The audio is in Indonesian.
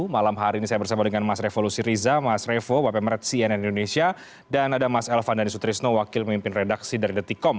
malam hari ini saya bersama dengan mas revolusi riza mas revo wp meret cnn indonesia dan ada mas elvan dhani sutrisno wakil pemimpin redaksi dari detikom